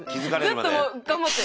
ずっと頑張って。